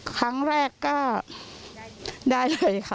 ครั้งแรกก็ได้เลยค่ะ